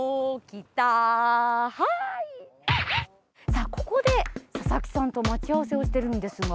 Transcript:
さあ、ここで佐々木さんと待ち合わせをしているんですが。